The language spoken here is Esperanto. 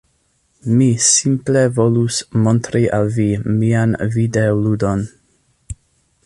Mi simple volus montri al vi mian videoludon.